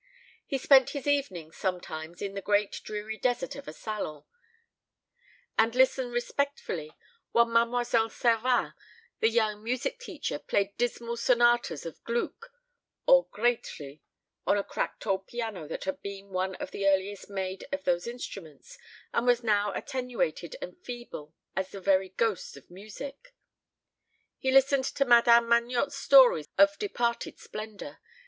He spent his evenings sometimes in the great dreary desert of a salon, and listened respectfully while Mademoiselle Servin, the young music teacher, played dismal sonatas of Gluck or Grétry on a cracked old piano that had been one of the earliest made of those instruments, and was now attenuated and feeble as the very ghost of music. He listened to Madame Magnotte's stories of departed splendour.